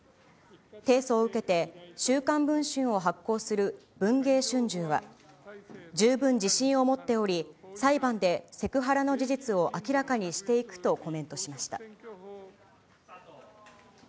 提訴を受けて、週刊文春を発行する文藝春秋は、十分自信を持っており、裁判でセクハラの事実を明らかにしていくとコメントしました。